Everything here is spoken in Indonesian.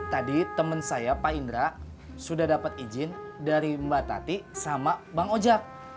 tadi teman saya pak indra sudah dapat izin dari mbak tati sama bang ojek